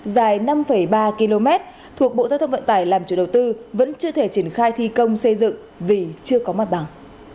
dài năm ba km thuộc bộ giao thông vận tải làm chủ đầu tư vẫn chưa thể triển khai thi công xây dựng vì chưa có mặt bằng